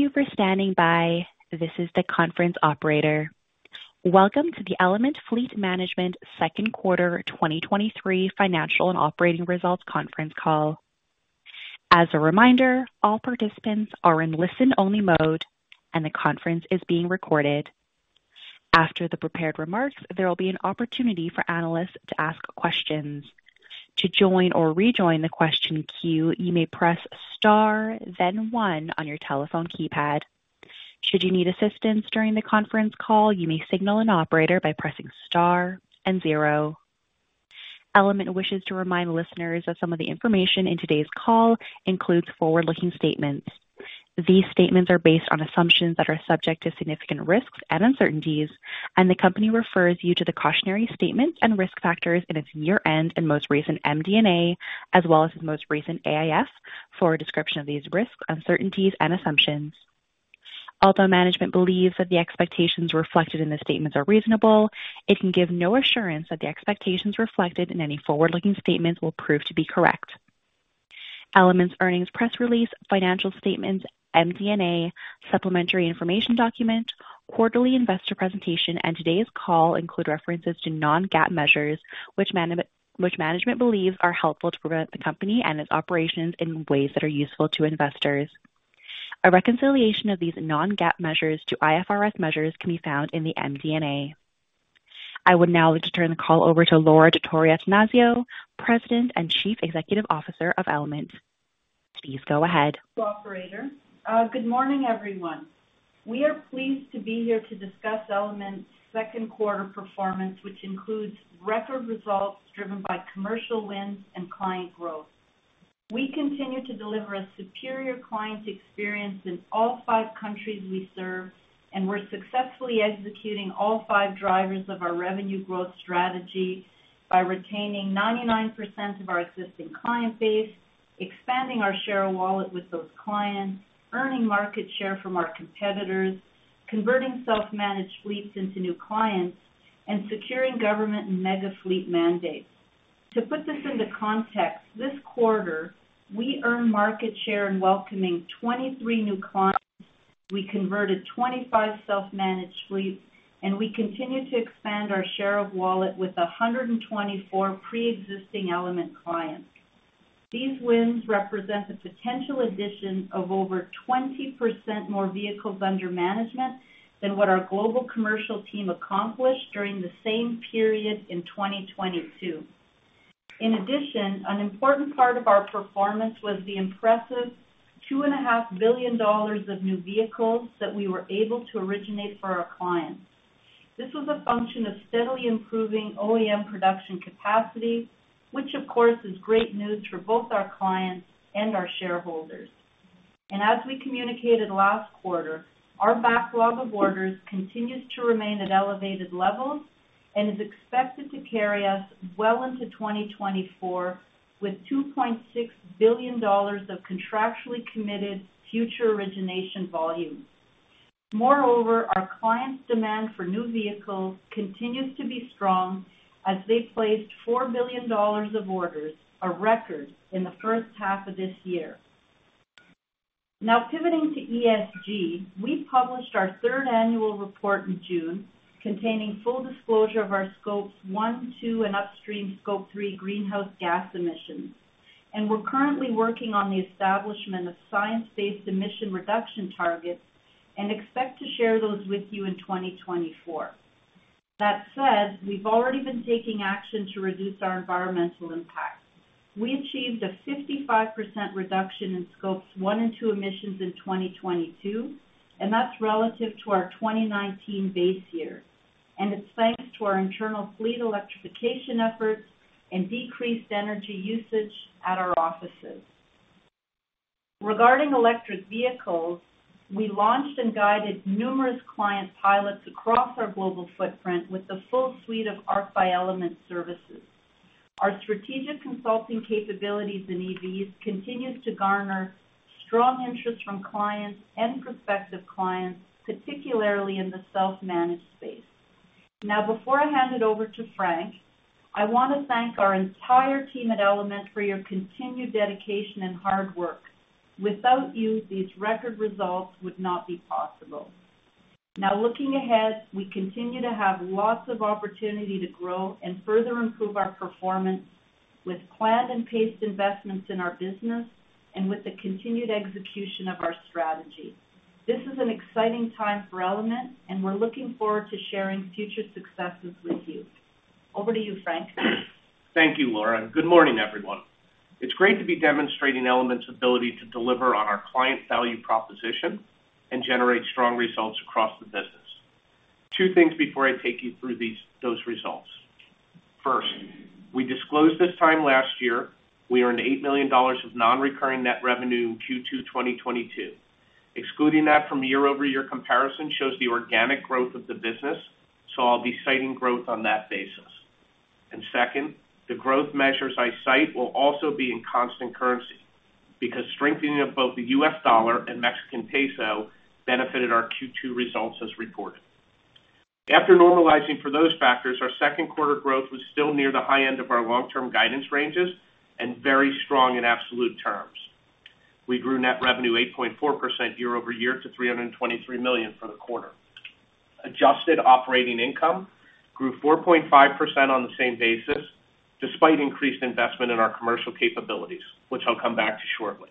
Thank you for standing by. This is the conference operator. Welcome to the Element Fleet Management second quarter 2023 financial and operating results conference call. As a reminder, all participants are in listen-only mode, and the conference is being recorded. After the prepared remarks, there will be an opportunity for analysts to ask questions. To join or rejoin the question queue, you may press star, then one on your telephone keypad. Should you need assistance during the conference call, you may signal an operator by pressing star and zero. Element wishes to remind listeners that some of the information in today's call includes forward-looking statements. These statements are based on assumptions that are subject to significant risks and uncertainties. The company refers you to the cautionary statements and risk factors in its year-end and most recent MD&A, as well as its most recent AIS, for a description of these risks, uncertainties and assumptions. Although management believes that the expectations reflected in the statements are reasonable, it can give no assurance that the expectations reflected in any forward-looking statements will prove to be correct. Element's earnings press release, financial statements, MD&A, supplementary information document, quarterly investor presentation, and today's call include references to non-GAAP measures, which management believes are helpful to prevent the company and its operations in ways that are useful to investors. A reconciliation of these non-GAAP measures to IFRS measures can be found in the MD&A. I would now like to turn the call over to Laura Dottori-Attanasio, President and Chief Executive Officer of Element. Please go ahead. Operator. Good morning, everyone. We are pleased to be here to discuss Element's second quarter performance, which includes record results driven by commercial wins and client growth. We continue to deliver a superior client experience in all five countries we serve, we're successfully executing all five drivers of our revenue growth strategy by retaining 99% of our existing client base, expanding our share of wallet with those clients, earning market share from our competitors, converting self-managed fleets into new clients, and securing government and mega fleet mandates. To put this into context, this quarter, we earned market share in welcoming 23 new clients. We converted 25 self-managed fleets, we continued to expand our share of wallet with 124 pre-existing Element clients. These wins represent a potential addition of over 20% more vehicles under management than what our global commercial team accomplished during the same period in 2022. In addition, an important part of our performance was the impressive $2.5 billion of new vehicles that we were able to originate for our clients. This was a function of steadily improving OEM production capacity, which of course, is great news for both our clients and our shareholders. As we communicated last quarter, our backlog of orders continues to remain at elevated levels and is expected to carry us well into 2024, with $2.6 billion of contractually committed future origination volumes. Moreover, our clients' demand for new vehicles continues to be strong as they placed $4 million of orders, a record in the first half of this year. Now, pivoting to ESG, we published our third annual report in June, containing full disclosure of our scopes one, two, and upstream scope three greenhouse gas emissions. We're currently working on the establishment of science-based emission reduction targets and expect to share those with you in 2024. That said, we've already been taking action to reduce our environmental impact. We achieved a 55% reduction in scopes one and two emissions in 2022, and that's relative to our 2019 base year, and it's thanks to our internal fleet electrification efforts and decreased energy usage at our offices. Regarding electric vehicles, we launched and guided numerous client pilots across our global footprint with a full suite of Arc by Element services. Our strategic consulting capabilities in EVs continues to garner strong interest from clients and prospective clients, particularly in the self-managed space. Now, before I hand it over to Frank, I want to thank our entire team at Element for your continued dedication and hard work. Without you, these record results would not be possible. Now, looking ahead, we continue to have lots of opportunity to grow and further improve our performance with planned and paced investments in our business and with the continued execution of our strategy. This is an exciting time for Element, and we're looking forward to sharing future successes with you. Over to you, Frank. Thank you, Laura, and good morning, everyone. It's great to be demonstrating Element's ability to deliver on our client value proposition and generate strong results across the business. Two things before I take you through these, those results. First, we disclosed this time last year, we earned $8 million of non-recurring net revenue in Q2 2022. Excluding that from year-over-year comparison shows the organic growth of the business, so I'll be citing growth on that basis. Second, the growth measures I cite will also be in constant currency, because strengthening of both the US dollar and Mexican peso benefited our Q2 results as reported. After normalizing for those factors, our second quarter growth was still near the high end of our long-term guidance ranges and very strong in absolute terms. We grew net revenue 8.4% year-over-year to $323 million for the quarter. Adjusted operating income grew 4.5% on the same basis, despite increased investment in our commercial capabilities, which I'll come back to shortly.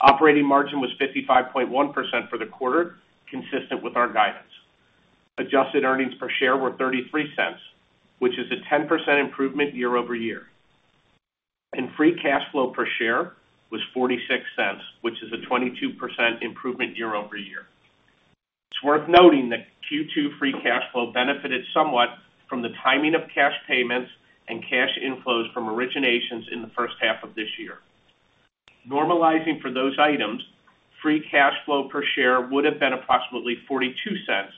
Operating margin was 55.1% for the quarter, consistent with our guidance. Adjusted earnings per share were $0.33, which is a 10% improvement year-over-year. Free cash flow per share was $0.46, which is a 22% improvement year-over-year. It's worth noting that Q2 free cash flow benefited somewhat from the timing of cash payments and cash inflows from originations in the first half of this year. Normalizing for those items, free cash flow per share would have been approximately $0.42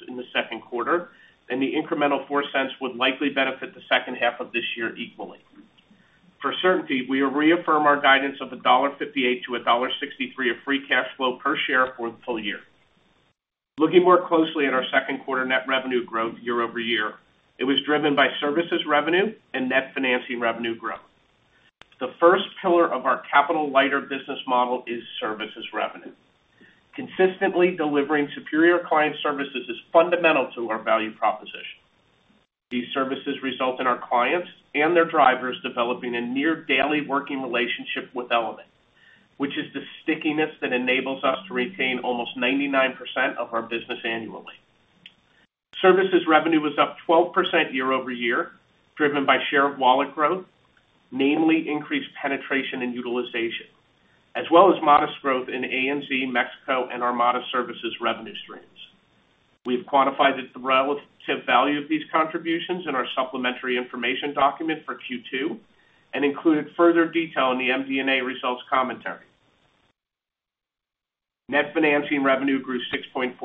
in the second quarter, and the incremental $0.04 would likely benefit the second half of this year equally. For certainty, we reaffirm our guidance of $1.58-$1.63 of free cash flow per share for the full year. Looking more closely at our second quarter net revenue growth year-over-year, it was driven by services revenue and net financing revenue growth. The first pillar of our capital-lighter business model is services revenue. Consistently delivering superior client services is fundamental to our value proposition. These services result in our clients and their drivers developing a near-daily working relationship with Element, which is the stickiness that enables us to retain almost 99% of our business annually. Services revenue was up 12% year-over-year, driven by share of wallet growth, namely increased penetration and utilization, as well as modest growth in ANZ, Mexico, and Armada services revenue streams. We've quantified the relative value of these contributions in our supplementary information document for Q2 and included further detail in the MD&A results commentary. Net financing revenue grew 6.4%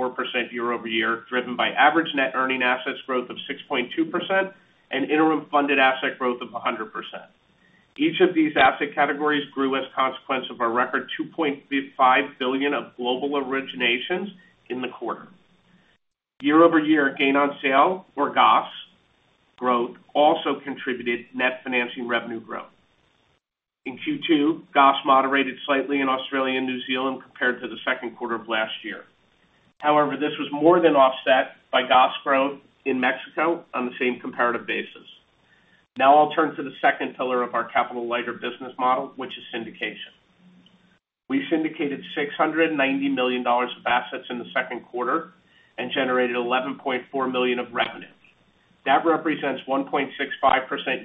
year-over-year, driven by average net earning assets growth of 6.2% and interim funded asset growth of 100%. Each of these asset categories grew as a consequence of our record $2.5 billion of global originations in the quarter. Year-over-year, gain on sale, or GOS growth, also contributed net financing revenue growth. In Q2, GOS moderated slightly in Australia and New Zealand compared to the second quarter of last year. This was more than offset by GOS growth in Mexico on the same comparative basis. I'll turn to the second pillar of our capital-lighter business model, which is syndication. We syndicated $690 million of assets in the second quarter and generated $11.4 million of revenue. That represents 1.65%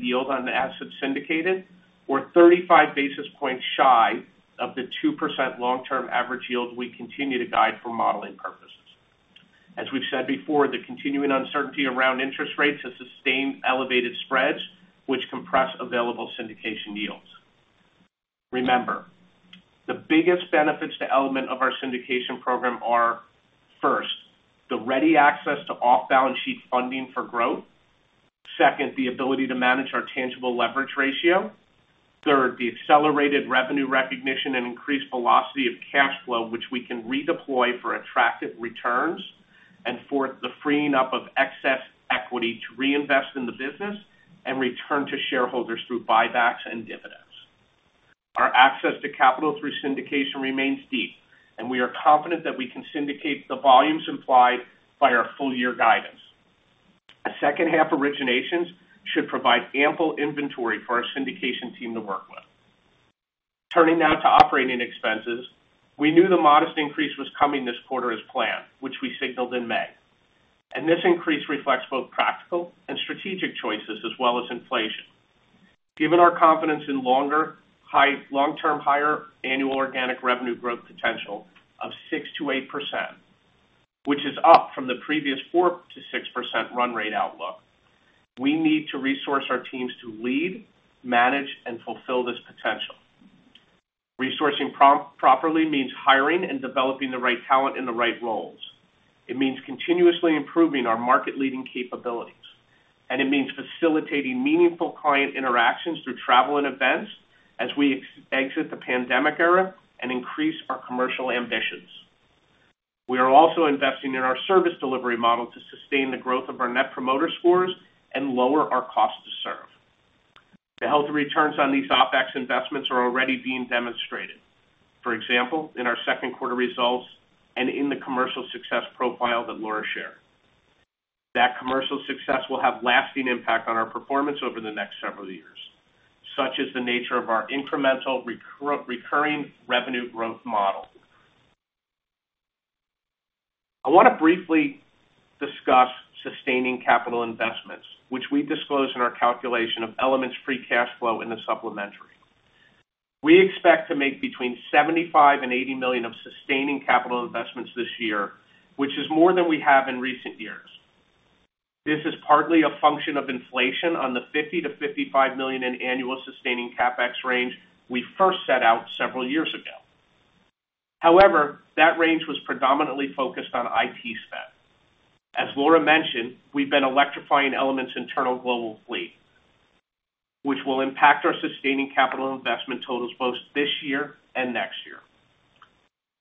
yield on the assets syndicated, or 35 basis points shy of the 2% long-term average yield we continue to guide for modeling purposes. As we've said before, the continuing uncertainty around interest rates has sustained elevated spreads, which compress available syndication yields. Remember, the biggest benefits to Element of our syndication program are, first, the ready access to off-balance sheet funding for growth. Second, the ability to manage our tangible leverage ratio. Third, the accelerated revenue recognition and increased velocity of cash flow, which we can redeploy for attractive returns. Fourth, the freeing up of excess equity to reinvest in the business and return to shareholders through buybacks and dividends. Our access to capital through syndication remains deep, and we are confident that we can syndicate the volumes implied by our full year guidance. A second-half originations should provide ample inventory for our syndication team to work with. Turning now to operating expenses, we knew the modest increase was coming this quarter as planned, which we signaled in May, and this increase reflects both practical and strategic choices, as well as inflation. Given our confidence in longer, high-- long-term, higher annual organic revenue growth potential of 6%-8%, which is up from the previous 4%-6% run rate outlook, we need to resource our teams to lead, manage, and fulfill this potential. Resourcing prom-- properly means hiring and developing the right talent in the right roles. It means continuously improving our market-leading capabilities, and it means facilitating meaningful client interactions through travel and events as we ex- exit the pandemic era and increase our commercial ambitions. We are also investing in our service delivery model to sustain the growth of our Net Promoter scores and lower our cost to serve. The healthy returns on these OpEx investments are already being demonstrated, for example, in our second quarter results and in the commercial success profile that Laura shared. That commercial success will have lasting impact on our performance over the next several years, such as the nature of our incremental recurring revenue growth model. I want to briefly discuss sustaining capital investments, which we disclose in our calculation of Element's free cash flow in the supplementary. We expect to make between $75 million and $80 million of sustaining capital investments this year, which is more than we have in recent years. This is partly a function of inflation on the $50 million-$55 million in annual sustaining CapEx range we first set out several years ago. However, that range was predominantly focused on IT spend. As Laura mentioned, we've been electrifying Element's internal global fleet, which will impact our sustaining capital investment totals both this year and next year.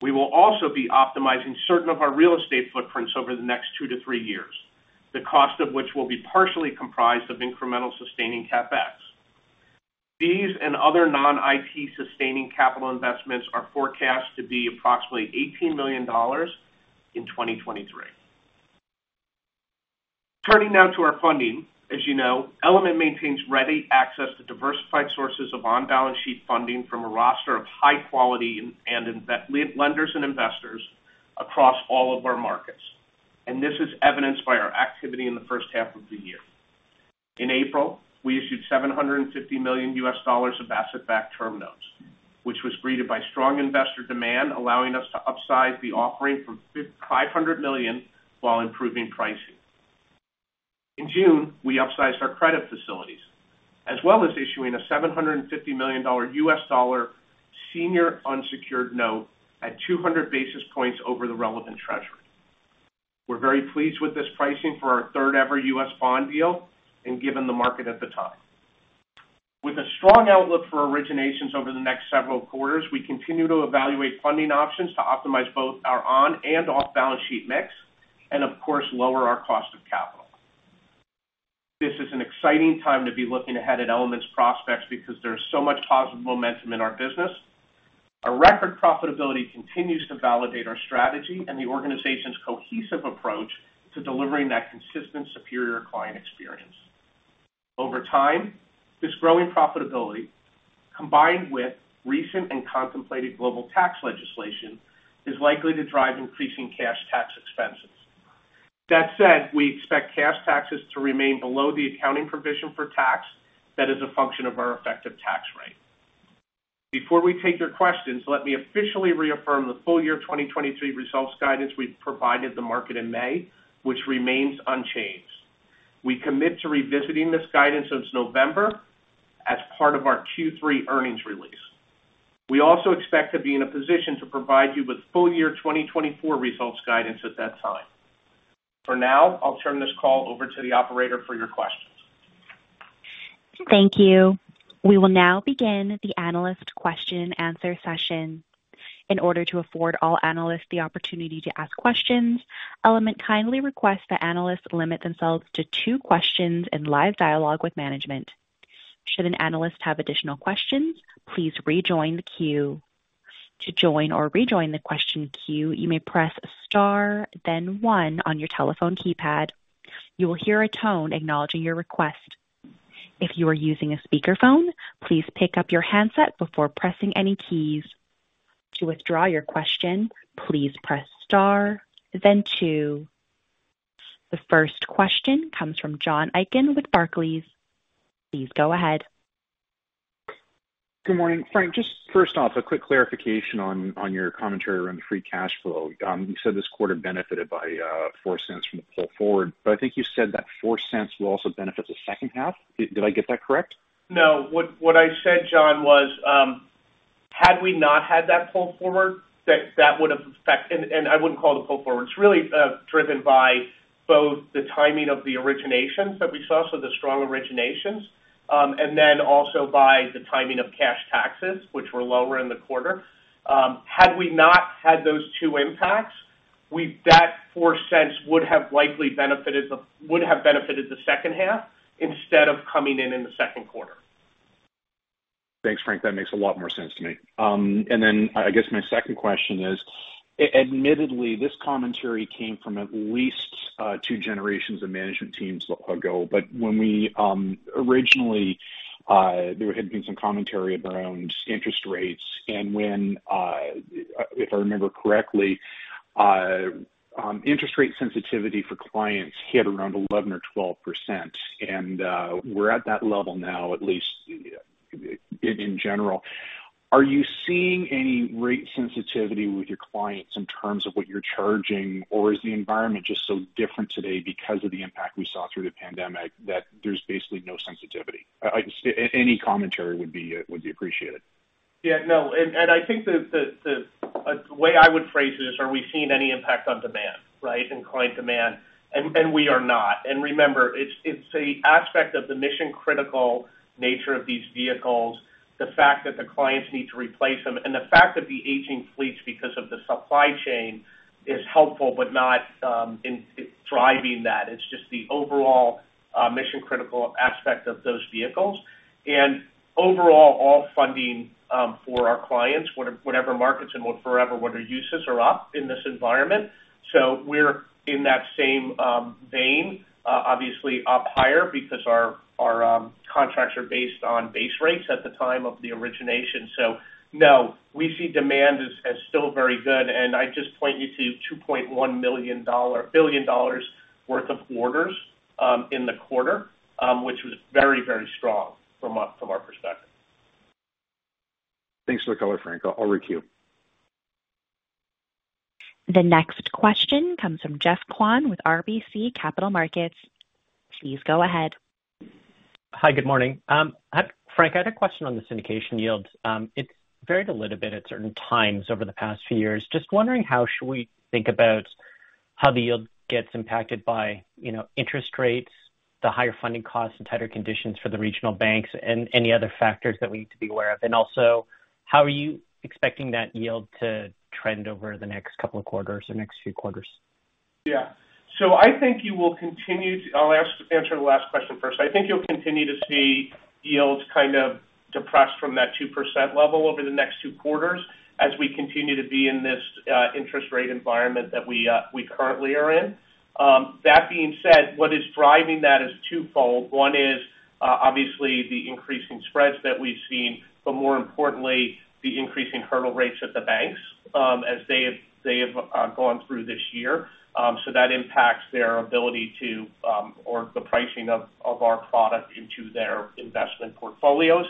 We will also be optimizing certain of our real estate footprints over the next two to three years, the cost of which will be partially comprised of incremental sustaining CapEx. These and other non-IT sustaining capital investments are forecast to be approximately $18 million in 2023. Turning now to our funding. As you know, Element maintains ready access to diversified sources of on-balance sheet funding from a roster of high quality lenders and investors across all of our markets, and this is evidenced by our activity in the first half of the year. In April, we issued $750 million of asset-backed term notes, which was greeted by strong investor demand, allowing us to upsize the offering from $500 million while improving pricing. In June, we upsized our credit facilities, as well as issuing a $750 million, US dollar senior unsecured note at 200 basis points over the relevant treasury. We're very pleased with this pricing for our third-ever U.S. bond deal given the market at the time. With a strong outlook for originations over the next several quarters, we continue to evaluate funding options to optimize both our on and off-balance sheet mix and, of course, lower our cost of capital. This is an exciting time to be looking ahead at Element's prospects because there's so much positive momentum in our business. Our record profitability continues to validate our strategy and the organization's cohesive approach to delivering that consistent, superior client experience. Over time, this growing profitability, combined with recent and contemplated global tax legislation, is likely to drive increasing cash tax expenses. That said, we expect cash taxes to remain below the accounting provision for tax that is a function of our effective tax rate. Before we take your questions, let me officially reaffirm the full year 2023 results guidance we provided the market in May, which remains unchanged. We commit to revisiting this guidance since November as part of our Q3 earnings release. We also expect to be in a position to provide you with full year 2024 results guidance at that time. For now, I'll turn this call over to the operator for your questions. Thank you. We will now begin the analyst question and answer session. In order to afford all analysts the opportunity to ask questions, Element kindly request that analysts limit themselves to two questions in live dialogue with management. Should an analyst have additional questions, please rejoin the queue. To join or rejoin the question queue, you may press star, then one on your telephone keypad. You will hear a tone acknowledging your request. If you are using a speakerphone, please pick up your handset before pressing any keys. To withdraw your question, please press star, then two. The first question comes from John Aiken with Barclays. Please go ahead. Good morning, Frank. Just first off, a quick clarification on your commentary around the free cash flow. You said this quarter benefited by $0.04 from the pull forward, but I think you said that $0.04 will also benefit the second half. Did I get that correct? No, what, what I said, John, was, had we not had that pull forward, that that would have affected. I wouldn't call it a pull forward. It's really driven by both the timing of the originations that we saw, so the strong originations, and then also by the timing of cash taxes, which were lower in the quarter. Had we not had those two impacts, that $0.04 would have likely benefited the second half instead of coming in in the second quarter. Thanks, Frank. That makes a lot more sense to me. I guess my second question is, admittedly, this commentary came from at least two generations of management teams ago, but when we originally, there had been some commentary around interest rates and when, if I remember correctly, interest rate sensitivity for clients hit around 11% or 12%, and we're at that level now, at least in general. Are you seeing any rate sensitivity with your clients in terms of what you're charging, or is the environment just so different today because of the impact we saw through the pandemic, that there's basically no sensitivity? I just any commentary would be appreciated. Yeah, no, I think the way I would phrase it is, are we seeing any impact on demand, right, and client demand? We are not. Remember, it's the aspect of the mission-critical nature of these vehicles, the fact that the clients need to replace them, and the fact that the aging fleets, because of the supply chain, is helpful, but not in driving that. It's just the overall mission-critical aspect of those vehicles. Overall, all funding for our clients, whatever markets and whatever their uses are up in this environment. We're in that same vein, obviously up higher because our, our contracts are based on base rates at the time of the origination. No, we see demand as, as still very good, and I just point you to $2.1 billion worth of orders in the quarter, which was very, very strong from our, from our perspective. Thanks for the color, Frank. I'll requeue. The next question comes from Geoffrey Kwan with RBC Capital Markets. Please go ahead. Hi, good morning. Frank, I had a question on the syndication yields. It's varied a little bit at certain times over the past few years. Just wondering, how should we think how the yield gets impacted by, you know, interest rates, the higher funding costs and tighter conditions for the regional banks, and any other factors that we need to be aware of? Also, how are you expecting that yield to trend over the next couple of quarters or next few quarters? Yeah. I think you will continue to I'll answer the last question first. I think you'll continue to see yields kind of depressed from that 2% level over the next two quarters as we continue to be in this interest rate environment that we currently are in. That being said, what is driving that is twofold. One is, obviously the increasing spreads that we've seen, but more importantly, the increasing hurdle rates at the banks, as they have, they have, gone through this year. That impacts their ability to, or the pricing of, of our product into their investment portfolios.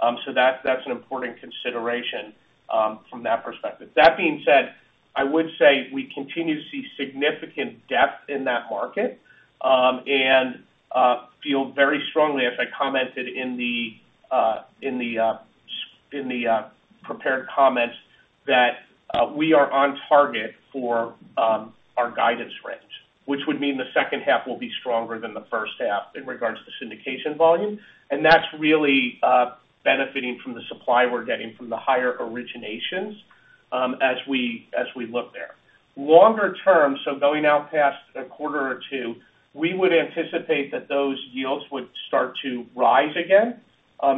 That's an important consideration from that perspective. That being said, I would say we continue to see significant depth in that market, and feel very strongly, as I commented in the prepared comments, that we are on target for our guidance range, which would mean the second half will be stronger than the first half in regards to syndication volume. That's really benefiting from the supply we're getting from the higher originations, as we, as we look there. Longer term, so going out past a quarter or two, we would anticipate that those yields would start to rise again,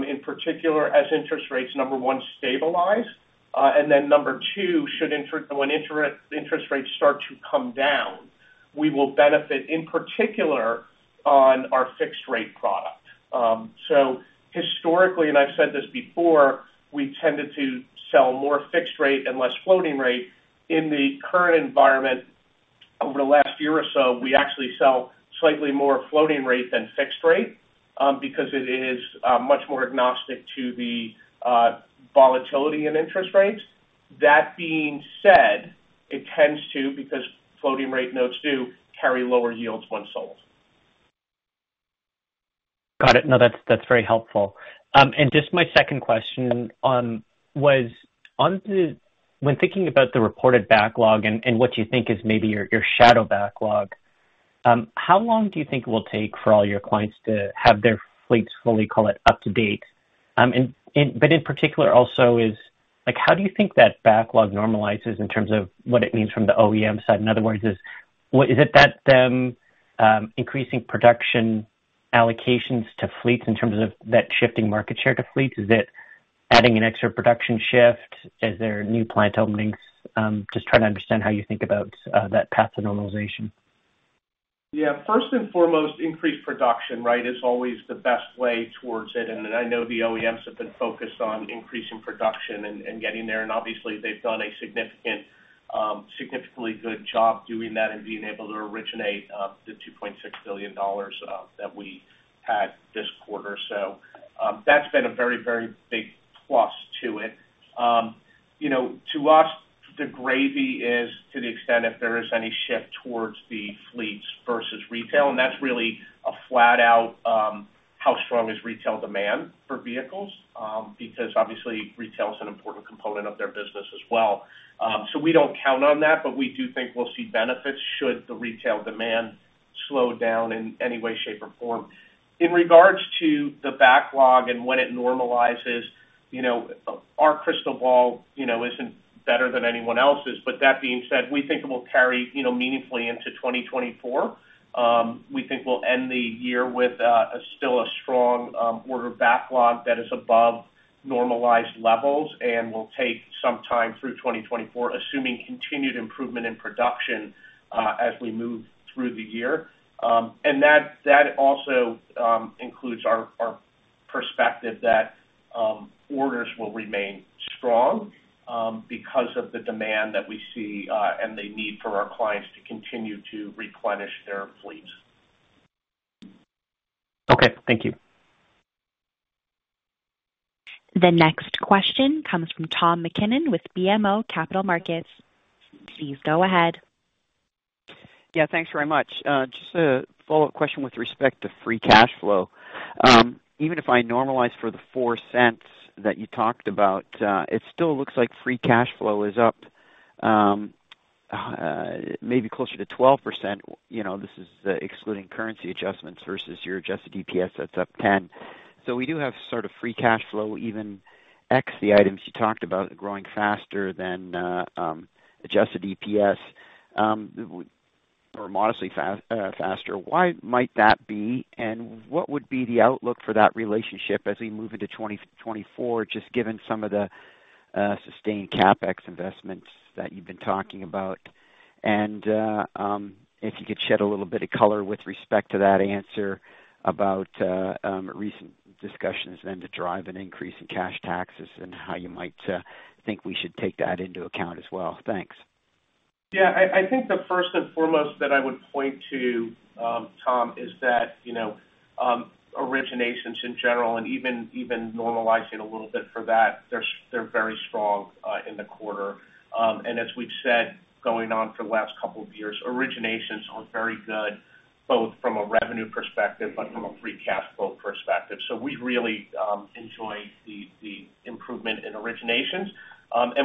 in particular as interest rates, number one, stabilize. Number two, when interest rates start to come down, we will benefit, in particular, on our fixed rate product. Historically, and I've said this before, we tended to sell more fixed rate and less floating rate. In the current environment, over the last year or so, we actually sell slightly more floating rate than fixed rate, because it is much more agnostic to the volatility in interest rates. That being said, it tends to, because floating rate notes do, carry lower yields when sold. Got it. No, that's, that's very helpful. Just my second question was on the, when thinking about the reported backlog and, and what you think is maybe your, your shadow backlog, how long do you think it will take for all your clients to have their fleets fully, call it, up to date? But in particular also is, like, how do you think that backlog normalizes in terms of what it means from the OEM side? In other words, is it that them, increasing production allocations to fleets in terms of that shifting market share to fleets? Is it adding an extra production shift? Is there new plant openings? Just trying to understand how you think about that path to normalization. Yeah. First and foremost, increased production, right, is always the best way towards it. I know the OEMs have been focused on increasing production and getting there. Obviously, they've done a significant, significantly good job doing that and being able to originate the $2.6 billion that we had this quarter. That's been a very, very big plus to it. You know, to us, the gravy is to the extent if there is any shift towards the fleets versus retail, that's really a flat out how strong is retail demand for vehicles? Because obviously retail is an important component of their business as well. We don't count on that, but we do think we'll see benefits should the retail demand slow down in any way, shape, or form. In regards to the backlog and when it normalizes, you know, our crystal ball, you know, isn't better than anyone else's. That being said, we think it will carry, you know, meaningfully into 2024. We think we'll end the year with a still a strong order backlog that is above normalized levels and will take some time through 2024, assuming continued improvement in production as we move through the year. That, that also includes our, our perspective that orders will remain strong because of the demand that we see and the need for our clients to continue to replenish their fleets. Okay, thank you. The next question comes from Tom MacKinnon with BMO Capital Markets. Please go ahead. Yeah, thanks very much. Just a follow-up question with respect to free cash flow. Even if I normalize for the $0.04 that you talked about, it still looks like free cash flow is up, maybe closer to 12%. You know, this is, excluding currency adjustments versus your adjusted EPS, that's up 10. We do have sort of free cash flow, even X, the items you talked about, growing faster than adjusted EPS, or modestly faster. Why might that be, and what would be the outlook for that relationship as we move into 2024, just given some of the sustained CapEx investments that you've been talking about? If you could shed a little bit of color with respect to that answer about, recent discussions then to drive an increase in cash taxes and how you might think we should take that into account as well. Thanks. Yeah, I think the first and foremost that I would point to, Tom, is that, you know, originations in general and even, even normalizing a little bit for that, they're very strong in the quarter. As we've said, going on for the last couple of years, originations are very good. Both from a revenue perspective, but from a free cash flow perspective. We really enjoy the improvement in originations.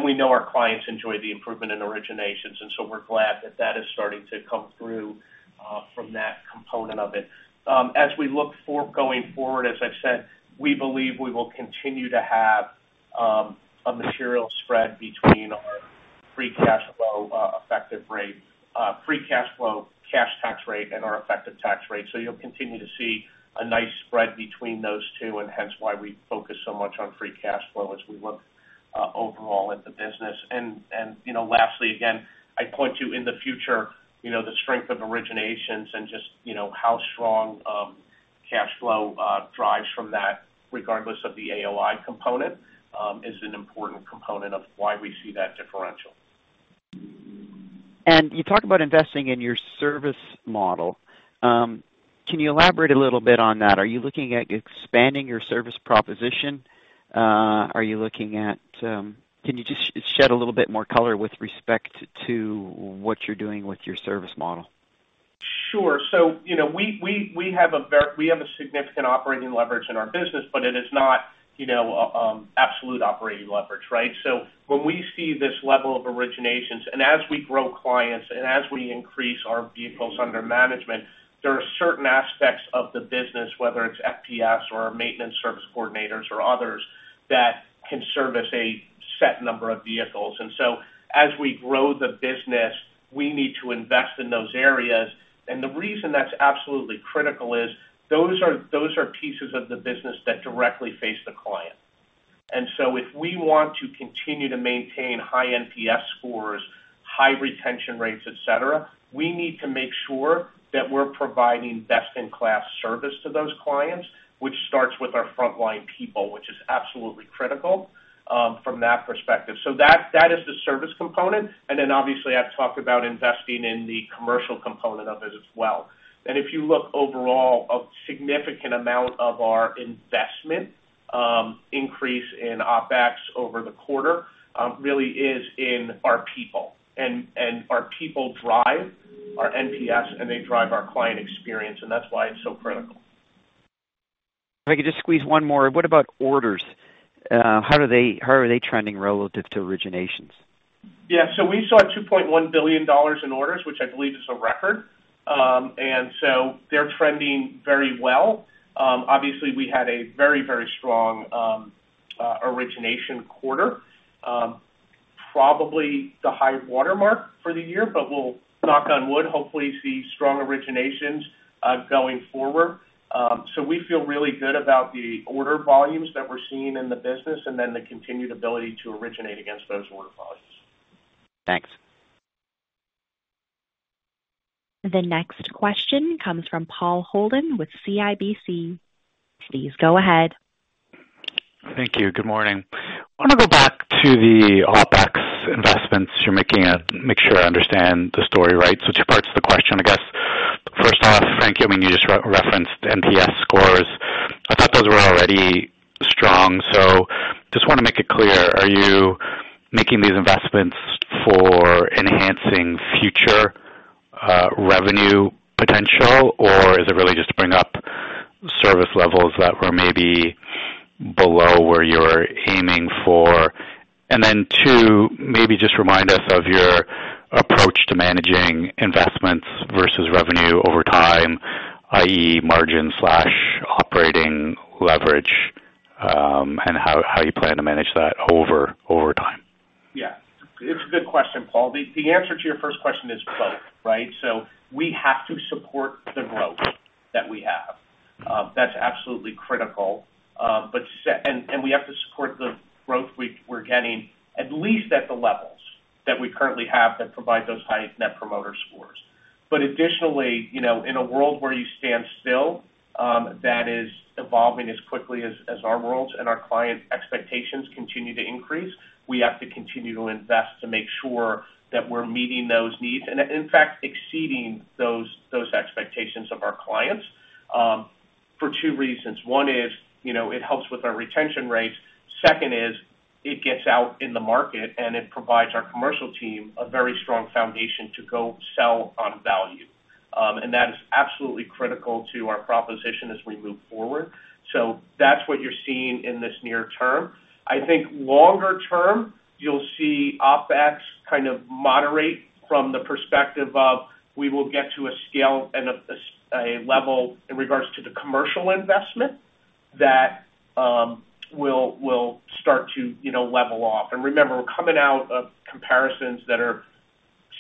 We know our clients enjoy the improvement in originations, and we're glad that that is starting to come through from that component of it. As we look going forward, as I've said, we believe we will continue to have a material spread between our free cash flow effective rate, free cash flow, cash tax rate, and our effective tax rate. You'll continue to see a nice spread between those two, and hence why we focus so much on free cash flow as we look overall at the business. You know, lastly, again, I'd point to in the future, you know, the strength of originations and just, you know, how strong cash flow drives from that, regardless of the AOI component, is an important component of why we see that differential. You talk about investing in your service model. Can you elaborate a little bit on that? Are you looking at expanding your service proposition? Can you just shed a little bit more color with respect to what you're doing with your service model? Sure. You know, we, we, we have a we have a significant operating leverage in our business, but it is not, you know, absolute operating leverage, right? When we see this level of originations, as we grow clients and as we increase our vehicles under management, there are certain aspects of the business, whether it's FPS or our Maintenance Service Coordinators or others, that can service a set number of vehicles. As we grow the business, we need to invest in those areas. The reason that's absolutely critical is, those are, those are pieces of the business that directly face the client. If we want to continue to maintain high NPS scores, high retention rates, et cetera, we need to make sure that we're providing best-in-class service to those clients, which starts with our frontline people, which is absolutely critical from that perspective. That, that is the service component. Then, obviously, I've talked about investing in the commercial component of it as well. If you look overall, a significant amount of our investment, increase in OpEx over the quarter, really is in our people. Our people drive our NPS, and they drive our client experience, and that's why it's so critical. If I could just squeeze one more. What about orders? How are they trending relative to originations? We saw $2.1 billion in orders, which I believe is a record. They're trending very well. Obviously, we had a very, very strong origination quarter. Probably the high watermark for the year, but we'll, knock on wood, hopefully see strong originations going forward. We feel really good about the order volumes that we're seeing in the business and then the continued ability to originate against those order volumes. Thanks. The next question comes from Paul Holden with CIBC. Please go ahead. Thank you. Good morning. I want to go back to the OpEx investments you're making and make sure I understand the story right. Two parts to the question, I guess. First off, Frank, I mean, you just re- referenced NPS scores. I thought those were already strong, so just want to make it clear: Are you making these investments for enhancing future, revenue potential, or is it really just to bring up service levels that were maybe below where you're aiming for? Two, maybe just remind us of your approach to managing investments versus revenue over time, i.e., margin/operating leverage, and how, how you plan to manage that over, over time. Yeah, it's a good question, Paul. The, the answer to your first question is both, right? We have to support the growth that we have. That's absolutely critical. We have to support the growth we're getting, at least at the levels that we currently have, that provide those high Net Promoter scores. Additionally, you know, in a world where you stand still, that is evolving as quickly as, as our world and our clients' expectations continue to increase, we have to continue to invest to make sure that we're meeting those needs, and in fact, exceeding those, those expectations of our clients, for two reasons. One is, you know, it helps with our retention rates. Second is, it gets out in the market, and it provides our commercial team a very strong foundation to go sell on value. That is absolutely critical to our proposition as we move forward. That's what you're seeing in this near term. I think longer term, you'll see OpEx kind of moderate from the perspective of we will get to a scale and a level in regards to the commercial investment that will start to, you know, level off. Remember, we're coming out of comparisons that are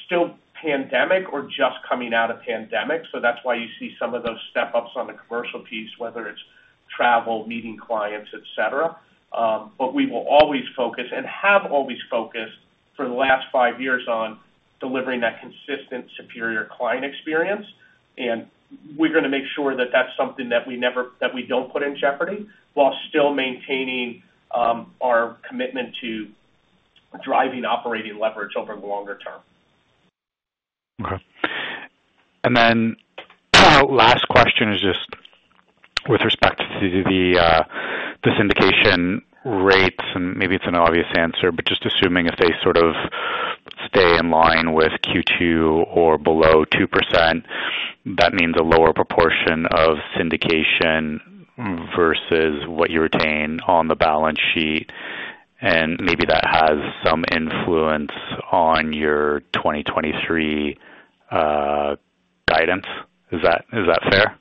still pandemic or just coming out of pandemic, so that's why you see some of those step-ups on the commercial piece, whether it's travel, meeting clients, et cetera. We will always focus, and have always focused for the last five years, on delivering that consistent, superior client experience, and we're going to make sure that that's something that we don't put in jeopardy, while still maintaining our commitment to driving operating leverage over the longer term. Okay. Last question is with respect to the syndication rates, and maybe it's an obvious answer, but just assuming if they sort of stay in line with Q2 or below 2%, that means a lower proportion of syndication versus what you retain on the balance sheet, and maybe that has some influence on your 2023 guidance. Is that, is that fair?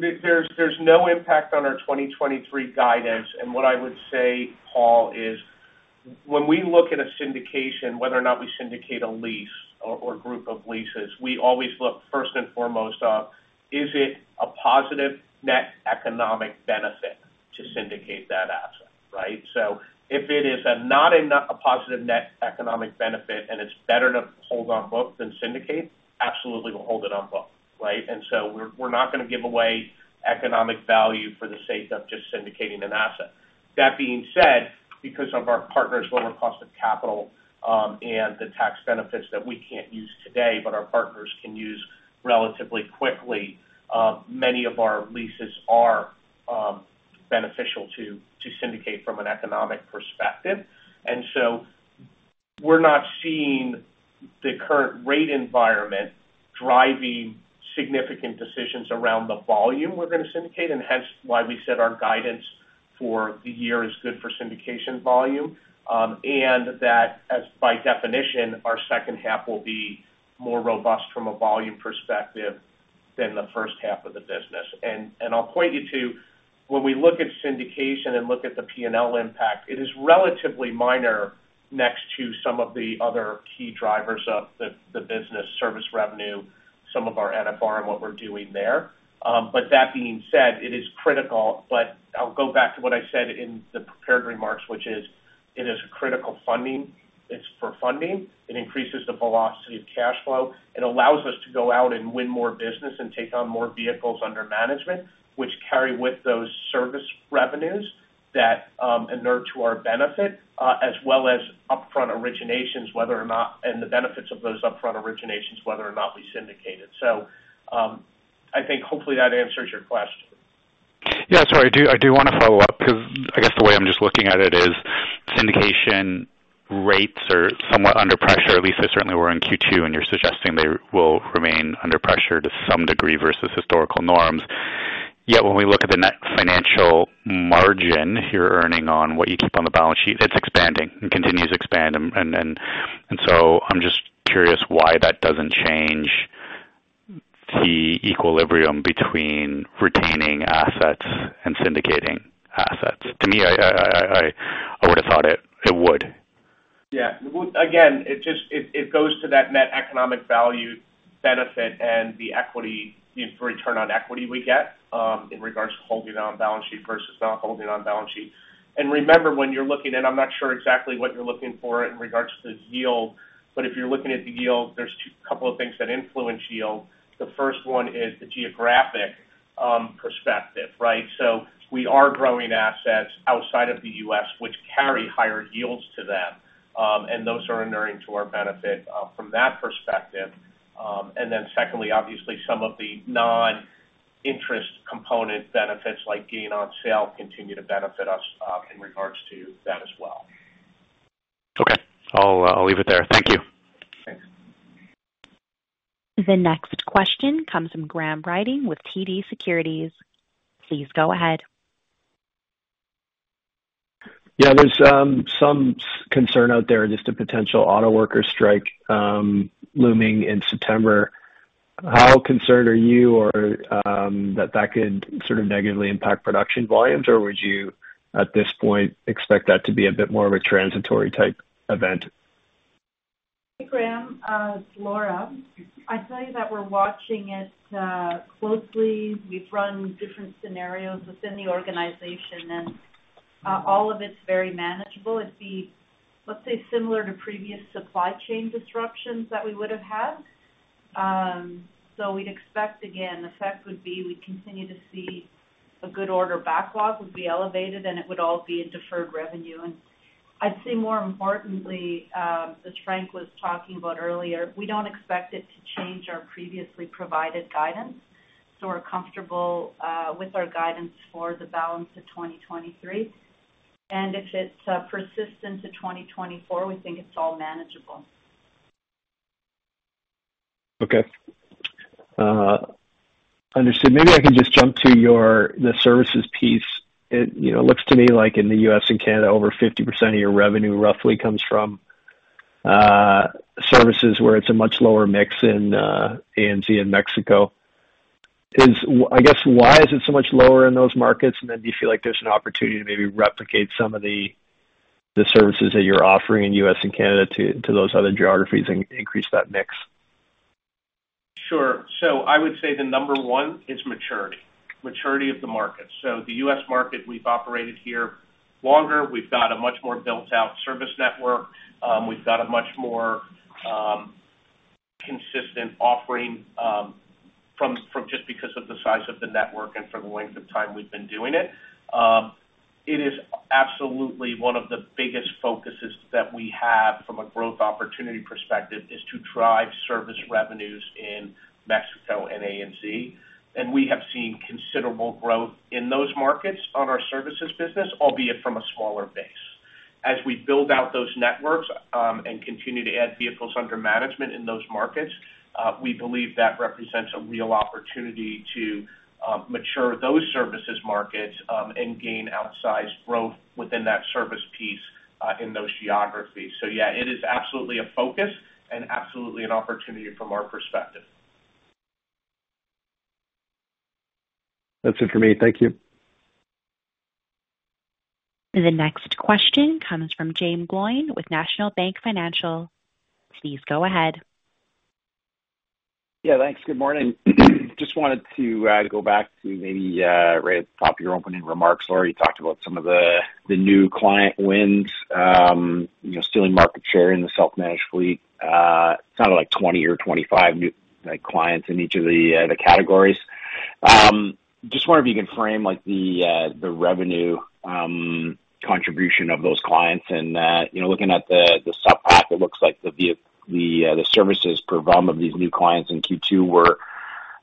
There's, there's no impact on our 2023 guidance. What I would say, Paul, is when we look at a syndication, whether or not we syndicate a lease or, or group of leases, we always look first and foremost of, is it a positive net economic benefit to syndicate that asset, right? If it is a not enough a positive net economic benefit, and it's better to hold on book than syndicate, absolutely, we'll hold it on book, right? We're, we're not gonna give away economic value for the sake of just syndicating an asset. That being said, because of our partners' lower cost of capital, and the tax benefits that we can't use today, but our partners can use relatively quickly, many of our leases are beneficial to, to syndicate from an economic perspective. So we're not seeing the current rate environment driving significant decisions around the volume we're gonna syndicate, and hence why we said our guidance for the year is good for syndication volume. That as by definition, our second half will be more robust from a volume perspective than the first half of the business. I'll point you to when we look at syndication and look at the P&L impact, it is relatively minor next to some of the other key drivers of the, the business service revenue, some of our NFR and what we're doing there. That being said, it is critical, but I'll go back to what I said in the prepared remarks, which is, it is critical funding. It's for funding. It increases the velocity of cash flow. It allows us to go out and win more business and take on more vehicles under management, which carry with those service revenues that, inure to our benefit, as well as upfront originations. The benefits of those upfront originations, whether or not we syndicate it. I think hopefully that answers your question. Yeah, sorry. I do, I do want to follow up because I guess the way I'm just looking at it is, syndication rates are somewhat under pressure, at least they certainly were in Q2, and you're suggesting they will remain under pressure to some degree versus historical norms. Yet, when we look at the net financial margin, you're earning on what you keep on the balance sheet, it's expanding and continues to expand. I'm just curious why that doesn't change the equilibrium between retaining assets and syndicating assets. To me, I would have thought it would. Yeah. Well, again, it goes to that net economic value benefit and the equity, the return on equity we get, in regards to holding on balance sheet versus not holding on balance sheet. Remember, when you're looking at I'm not sure exactly what you're looking for in regards to the yield, but if you're looking at the yield, there's a couple of things that influence yield. The first one is the geographic perspective, right? We are growing assets outside of the U.S., which carry higher yields to them, and those are inuring to our benefit from that perspective. Then secondly, obviously, some of the non-interest component benefits, like gain on sale, continue to benefit us in regards to that as well. Okay. I'll, I'll leave it there. Thank you. Thanks. The next question comes from Graham Ryding with TD Securities. Please go ahead. Yeah, there's, some concern out there, just a potential auto worker strike, looming in September. How concerned are you or, that that could sort of negatively impact production volumes, or would you, at this point, expect that to be a bit more of a transitory-type event? Hey, Graham, it's Laura. I'd tell you that we're watching it closely. We've run different scenarios within the organization. All of it's very manageable. It'd be, let's say, similar to previous supply chain disruptions that we would have had. We'd expect, again, the effect would be we continue to see a good order backlog would be elevated, and it would all be in deferred revenue. I'd say more importantly, as Frank was talking about earlier, we don't expect it to change our previously provided guidance, so we're comfortable with our guidance for the balance of 2023. If it's persistent to 2024, we think it's all manageable. Okay. Understood. Maybe I can just jump to your the services piece. It, you know, looks to me like in the U.S. and Canada, over 50% of your revenue roughly comes from services where it's a much lower mix in ANZ and Mexico. I guess, why is it so much lower in those markets? Then do you feel like there's an opportunity to maybe replicate some of the, the services that you're offering in U.S. and Canada to, to those other geographies and increase that mix? Sure. I would say the number one is maturity, maturity of the market. The U.S. market, we've operated here longer. We've got a much more built-out service network. We've got a much more consistent offering, from just because of the size of the network and from the length of time we've been doing it. It is absolutely one of the biggest focuses that we have from a growth opportunity perspective, is to drive service revenues in Mexico and ANZ, and we have seen considerable growth in those markets on our services business, albeit from a smaller base. As we build out those networks, and continue to add vehicles under management in those markets, we believe that represents a real opportunity to mature those services markets, and gain outsized growth within that service piece, in those geographies. Yeah, it is absolutely a focus and absolutely an opportunity from our perspective. That's it for me. Thank you. The next question comes from Jaeme Gloyn with National Bank Financial. Please go ahead. Yeah, thanks. Good morning. Just wanted to, go back to maybe, right at the top of your opening remarks, Laura, you talked about some of the, the new client wins, you know, stealing market share in the self-managed fleet, sounded like 20 or 25 new, like, clients in each of the, the categories. Just wonder if you can frame, like, the, the revenue, contribution of those clients and, you know, looking at the, the sub pack, it looks like the v- the, the services per volume of these new clients in Q2 were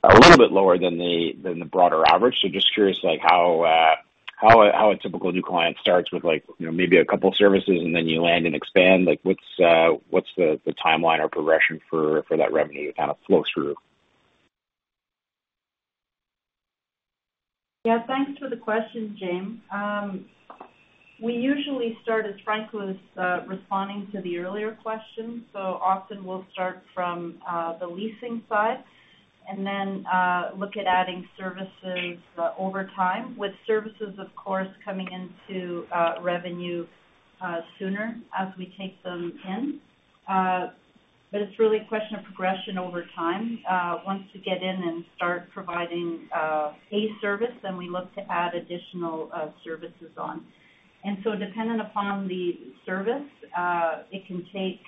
a little bit lower than the, than the broader average. Just curious, like how, how a, how a typical new client starts with like, you know, maybe a couple services and then you land and expand. Like, what's, what's the, the timeline or progression for, for that revenue to kind of flow through? Yeah, thanks for the question, Jaeme. We usually start, as Frank was responding to the earlier question, often we'll start from the leasing side and then look at adding services over time, with services, of course, coming into revenue sooner as we take them in. It's really a question of progression over time. Once you get in and start providing a service, we look to add additional services on. Dependent upon the service, it can take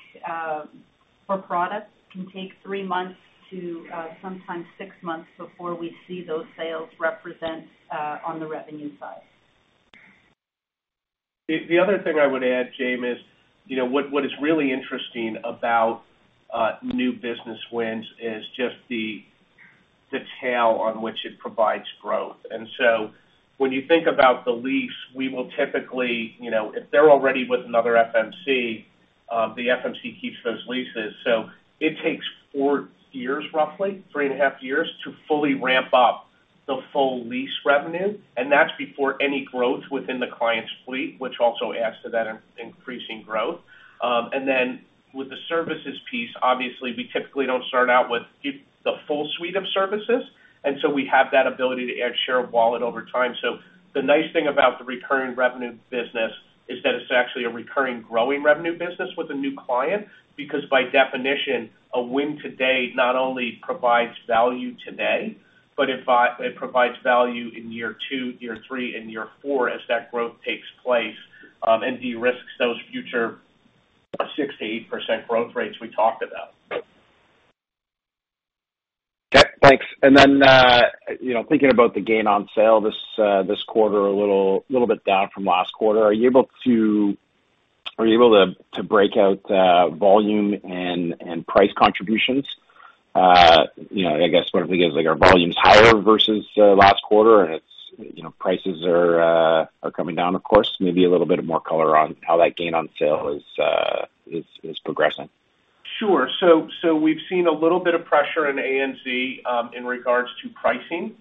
for products, it can take three months to sometimes six months before we see those sales represent on the revenue side. The, the other thing I would add, Jaeme, you know, what, what is really interesting about new business wins is just the, the tail on which it provides growth. When you think about the lease, we will typically, you know, if they're already with another FMC, the FMC keeps those leases. It takes four years, roughly, three and a half years, to fully ramp up the full lease revenue, and that's before any growth within the client's fleet, which also adds to that in-increasing growth. Then with the services piece, obviously, we typically don't start out with the full suite of services, and so we have that ability to add share of wallet over time. The nice thing about the recurring revenue business is that it's actually a recurring growing revenue business with a new client, because by definition, a win today not only provides value today, but it it provides value in year two, year three, and year four as that growth takes place, and de-risks those future 6%-8% growth rates we talked about. Okay, thanks. Then, you know, thinking about the gain on sale this quarter, a little bit down from last quarter, are you able to break out volume and price contributions? You know, I guess what I think is, like, are volumes higher versus last quarter, and it's, you know, prices are coming down, of course. Maybe a little bit of more color on how that gain on sale is progressing. Sure. We've seen a little bit of pressure in ANZ in regards to pricing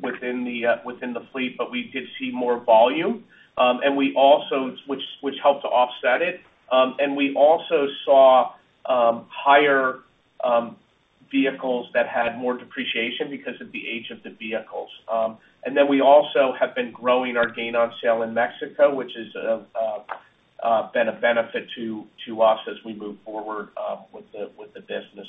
within the fleet, but we did see more volume, and which helped to offset it. We also saw higher vehicles that had more depreciation because of the age of the vehicles. Then we also have been growing our gain on sale in Mexico, which is been a benefit to us as we move forward with the business.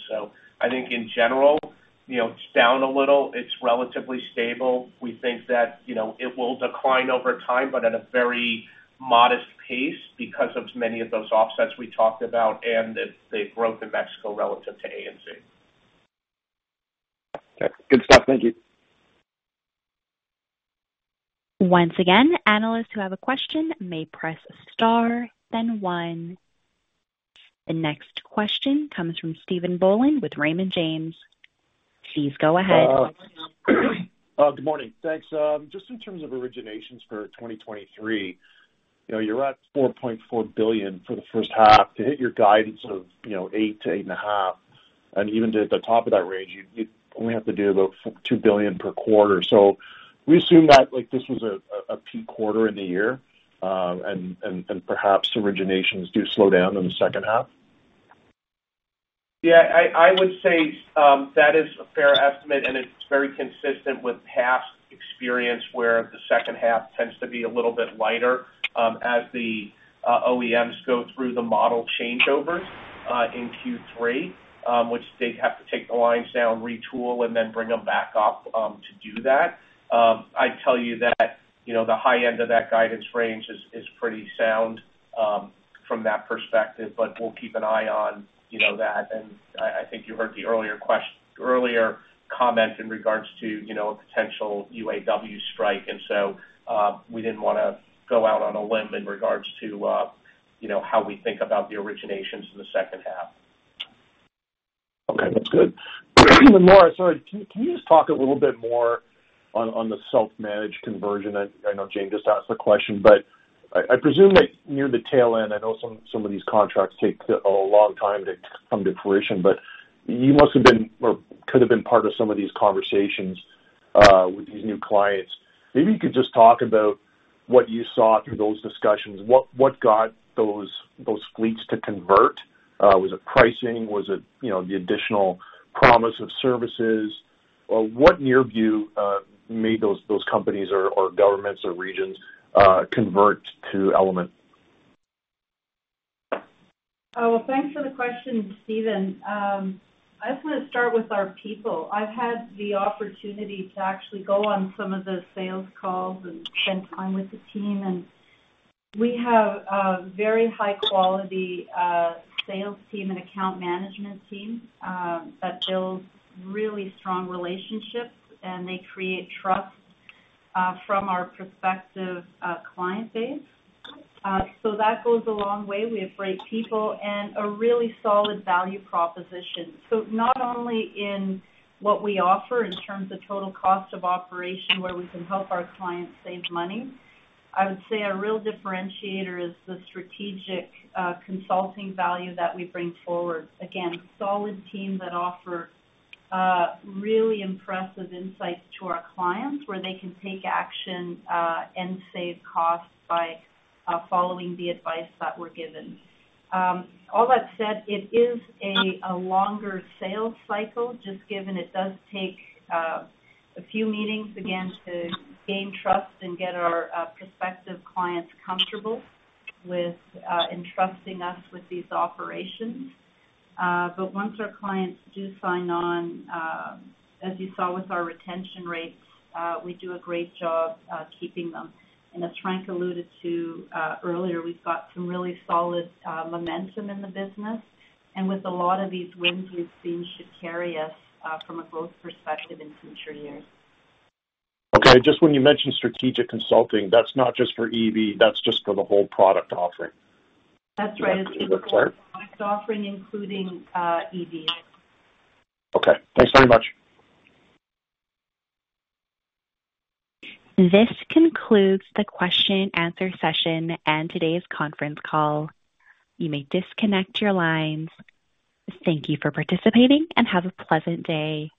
I think in general, you know, it's down a little. It's relatively stable. We think that, you know, it will decline over time, but at a very modest pace because of many of those offsets we talked about and the growth in Mexico relative to ANZ. Okay. Good stuff. Thank you. Once again, analysts who have a question may press star then one. The next question comes from Stephen Boland with Raymond James. Please go ahead. Good morning. Thanks. Just in terms of originations for 2023, you know, you're at $4.4 billion for the first half. To hit your guidance of, you know, $8 billion-$8.5 billion, and even to the top of that range, you, you only have to do about $2 billion per quarter. We assume that, like, this was a peak quarter in the year, and perhaps originations do slow down in the second half? Yeah, I, I would say that is a fair estimate, and it's very consistent with past experience, where the second half tends to be a little bit lighter, as the OEMs go through the model changeovers in Q3, which they'd have to take the lines down, retool, and then bring them back up to do that. I tell you that, you know, the high end of that guidance range is pretty sound from that perspective, but we'll keep an eye on, you know, that. I, I think you heard the earlier earlier comment in regards to, you know, a potential UAW strike. We didn't wanna go out on a limb in regards to, you know, how we think about the originations in the second half. Okay, that's good. Laura, sorry, can, can you just talk a little bit more on, on the self-managed conversion? I, I know Jaeme just asked the question, but I, I presume that near the tail end, I know some, some of these contracts take a, a long time to come to fruition. You must have been or could have been part of some of these conversations, with these new clients. Maybe you could just talk about what you saw through those discussions? What, what got those, those fleets to convert? Was it pricing? Was it, you know, the additional promise of services? What, in your view, made those, those companies or, or governments or regions, convert to Element? Well, thanks for the question, Stephen. I just wanna start with our people. I've had the opportunity to actually go on some of the sales calls and spend time with the team, and we have a very high quality sales team and account management team that builds really strong relationships, and they create trust from our prospective client base. That goes a long way. We have great people and a really solid value proposition. Not only in what we offer in terms of Total Cost of Operation, where we can help our clients save money, I would say our real differentiator is the strategic consulting value that we bring forward. Again, solid team that offer really impressive insights to our clients, where they can take action and save costs by following the advice that we're given. All that said, it is a longer sales cycle, just given it does take a few meetings, again, to gain trust and get our prospective clients comfortable with entrusting us with these operations. Once our clients do sign on, as you saw with our retention rates, we do a great job keeping them. As Frank alluded to earlier, we've got some really solid momentum in the business, and with a lot of these wins we've seen should carry us from a growth perspective in future years. Okay. Just when you mentioned strategic consulting, that's not just for EV, that's just for the whole product offering? That's right. Is that correct? Product offering, including, EV. Okay, thanks very much. This concludes the question and answer session and today's conference call. You may disconnect your lines. Thank you for participating, and have a pleasant day.